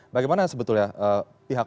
bagaimana sebetulnya pihak